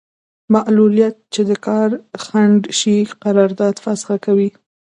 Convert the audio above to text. معلولیت چې د کار خنډ شي قرارداد فسخه کوي.